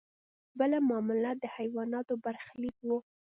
بله معامله د حیواناتو برخلیک و.